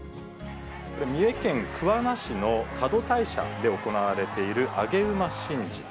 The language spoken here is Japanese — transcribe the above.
これ、三重県桑名市の多度大社で行われている上げ馬神事。